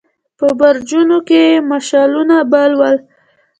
په برجونو کې يې مشعلونه بل ول.